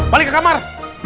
balik ke kamar